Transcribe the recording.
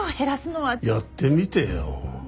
やってみてよ。